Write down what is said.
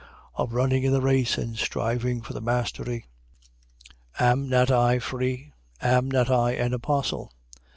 Of running in the race and striving for the mastery. 9:1. Am I not I free? Am not I an apostle?